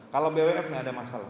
kalau bwf tidak ada masalah